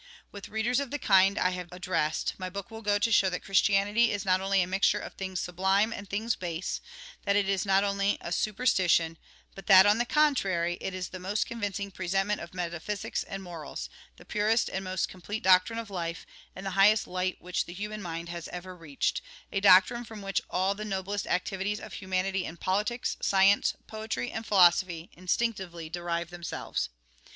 With readers of the kind I have addressed, my book will go to show that Christianity is not only a mixture of things sublime and things base ; that it is not only not a super stition, but that, on the contrary, it is the most convincing presentment of metaphysics and morals, the purest and most complete doctrine of life, and the highest light which the human mind has ever 20 , THE GOSPEL IN BRIEF reached ; a doctrine from which all the noblest activities of humanity in politics, science, poetry, and philosophy instinctively derive themselves.